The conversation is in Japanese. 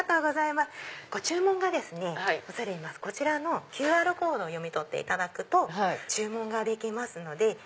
ご注文がこちらのＱＲコードを読み取っていただくと注文ができますので。